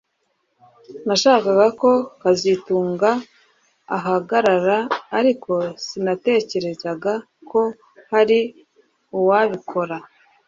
Nashakaga ko kazitunga ahagarara ariko sinatekerezaga ko hari uwabikora